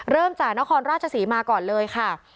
เริ่มจากนครราชศรีมาก่อนเลยค่ะ